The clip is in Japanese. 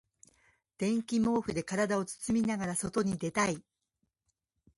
電気毛布で体を包みながら外に出たい。